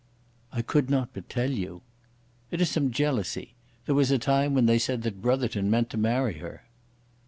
"I could not but tell you." "It is some jealousy. There was a time when they said that Brotherton meant to marry her."